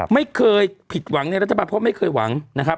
ไม่เคยผิดหวังในรัฐบาลเพราะไม่เคยหวังนะครับ